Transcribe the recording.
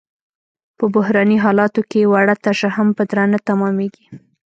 په بحراني حالاتو کې وړه تشه هم په درانه تمامېږي.